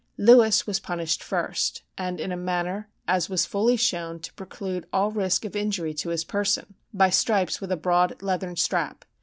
"Lewis was punished first; and in a manner, as was fully shown, to preclude all risk of injury to his person, by stripes with a broad leathern strap.